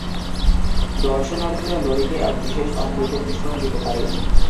দর্শনার্থীরা লোরিকে এক বিশেষ অমৃতের মিশ্রণ দিতে পারে।